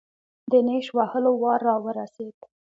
د نېش وهلو وار راورسېد.